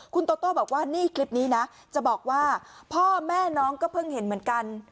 คุณโตโต้บอกว่านี่คลิปนี้นะจะบอกว่าพ่อแม่น้องก็เพิ่งเห็นเหมือนกัน